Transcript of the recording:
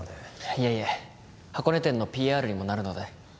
いえいえ箱根店の ＰＲ にもなるので